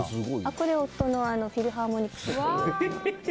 これは夫のフィルハーモクス。